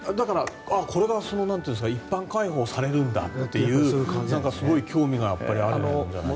これが一般開放されるんだというすごい、興味がやっぱりあるんじゃないですかね。